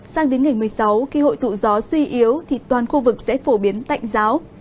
sang đến ngày một mươi sáu khi hội tụ gió suy yếu thì toàn khu vực sẽ phổ biến tạnh giáo